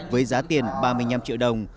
với giá tiền ba mươi năm triệu đồng